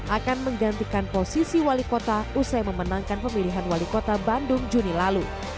akan menggantikan posisi wali kota usai memenangkan pemilihan wali kota bandung juni lalu